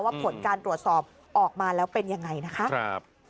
ผลการตรวจสอบออกมาแล้วเป็นยังไงนะคะ